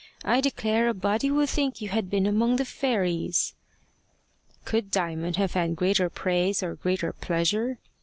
I declare a body would think you had been among the fairies." Could Diamond have had greater praise or greater pleasure?